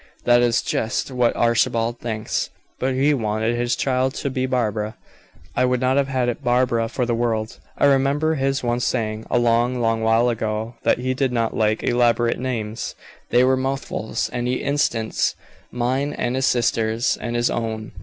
"That is just what Archibald thinks. But he wanted this child's to be Barbara. I would not have had it Barbara for the world. I remember his once saying, a long, long while ago that he did not like elaborate names; they were mouthfuls; and he instanced mine and his sister's, and his own.